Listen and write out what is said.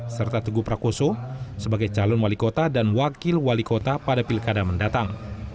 serta teguh prakoso sebagai calon wali kota dan wakil wali kota pada pilkada mendatang